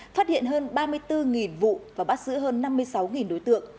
phát hiện hơn ba mươi bốn vụ và bắt giữ hơn năm mươi sáu đối tượng